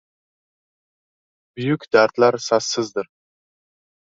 • Buyuk dardlar sassizdir.